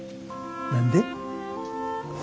何で？